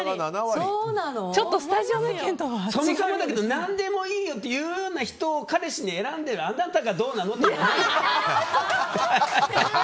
そもそもだけど何でもいいっていう人を彼氏に選んでいるあなたがどうなのって。